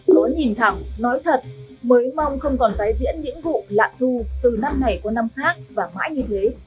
cứ nhìn thẳng nói thật mới mong không còn tái diễn những vụ lạm thu từ năm này qua năm khác và mãi như thế